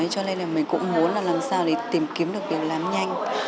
cho nên là mình cũng muốn là làm sao để tìm kiếm được việc làm nhanh